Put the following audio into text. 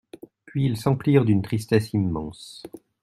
Puis ils s'emplirent d'une tristesse immense.